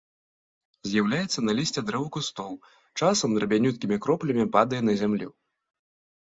З'яўляецца на лісці дрэў і кустоў, часам драбнюткімі кроплямі падае на зямлю.